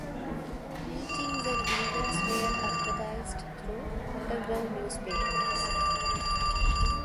Meetings and events were advertised through underground newspapers.